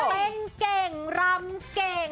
เป็นเก่งรำเก่ง